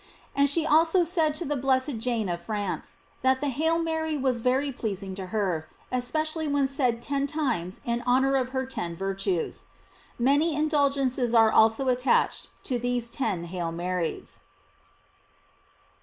And she also said to the blessed Jane of France, that the "Hail Mary" was very pleasing to her, especially when said ten times in honor of her ten virtues.^ Many indulgences are also attached to these ten "Hail Marys."